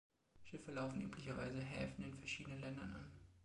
Schiffe laufen üblicherweise Häfen in verschiedenen Ländern an.